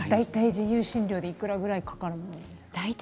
大体自由診療でいくらぐらいかかるんですか。